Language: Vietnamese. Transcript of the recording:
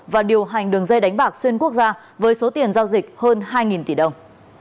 và điều hành đường dây đánh bạc xuyên quốc gia với số tiền giao dịch hơn hai tỷ đồng